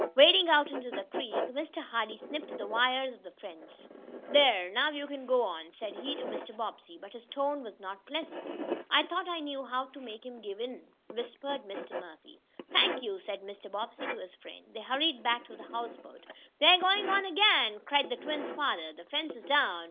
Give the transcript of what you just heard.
Wading out into the creek Mr. Hardee snipped the wires of the fence. "There, now you can go on," he said to Mr. Bobbsey, but his tone was not pleasant. "I thought I knew how to make him give in," whispered Mr. Murphy. "Thank you," said Mr. Bobbsey to his friend. They hurried back to the houseboat. "We're going on again!" cried the twins' father. "The fence is down."